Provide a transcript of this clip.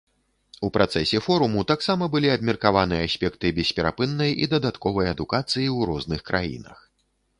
У працэсе форуму таксама былі абмеркаваны аспекты бесперапыннай і дадатковай адукацыі ў розных краінах.